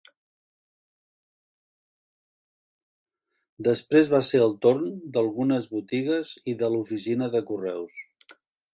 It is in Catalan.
Després va ser el torn d'algunes botigues i de l'oficina de correus.